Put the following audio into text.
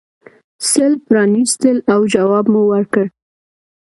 سل پرانیستل او جواب مو ورکړ.